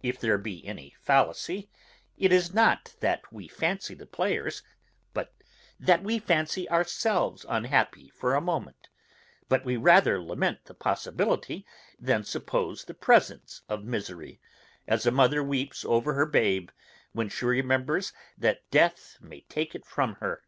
If there be any fallacy, it is not that we fancy the players, but that we fancy ourselves unhappy for a moment; but we rather lament the possibility than suppose the presence of misery, as a mother weeps over her babe, when she remembers that death may take it from her.